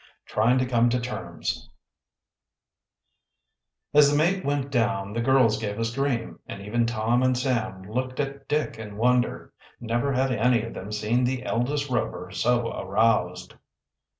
TRYING TO COME TO TERMS As the mate went down the girls gave a scream, and even Tom and Sam looked at Dick in wonder. Never had any of them seen the eldest Rover so aroused.